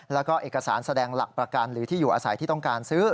แล้วก็เอกสารแสดงหลักประกันหรือที่อยู่อาศัยที่ต้องการซื้อ